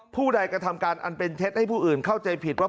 ผู้ใดกระทำการอันเป็นเท็จให้ผู้อื่นเข้าใจผิดว่า